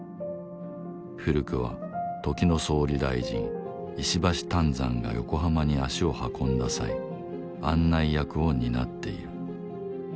古くは時の総理大臣石橋湛山が横浜に足を運んだ際案内役を担っている